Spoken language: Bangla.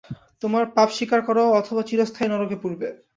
তোমার পাপ স্বীকার করো অথবা চিরস্থায়ী নরকে পুড়বে।